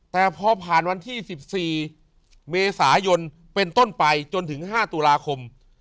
แต่พอผ่านวันที่๑๔เมษายนเป็นต้นไปจนถึง๕ตุลาคม